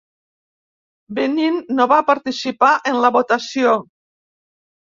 Benín no va participar en la votació.